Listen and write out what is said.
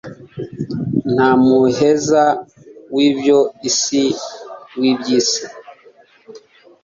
nta muheza w'ibyo isi. w'iby'isi